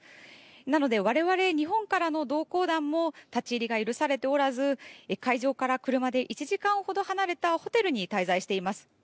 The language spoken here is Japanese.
なので、我々日本からの同行団も立ち入りが許されておらず会場から車で１時間ほど離れたホテルに滞在しています。